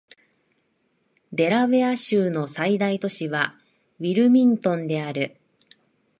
デラウェア州の最大都市はウィルミントンである